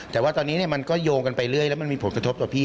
แต่ว่าตอนนี้มันก็โยงกันไปเรื่อยแล้วมันมีผลกระทบต่อพี่